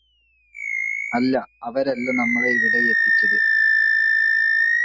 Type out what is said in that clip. അല്ല അവരല്ല നമ്മളെ ഇവിടെയെത്തിച്ചത്